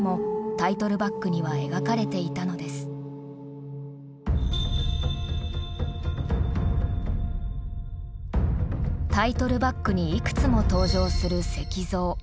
タイトルバックにいくつも登場する石像。